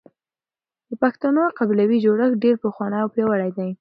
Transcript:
د پښتنو قبيلوي جوړښت ډېر پخوانی او پياوړی دی.